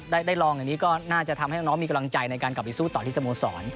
ได้ลองอย่างนี้ก็น่าจะทำให้น้องมีกำลังใจในการกลับไปสู้ต่อที่สโมสร